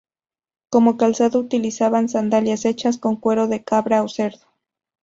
Como calzado utilizaban sandalias hechas con cuero de cabra o cerdo.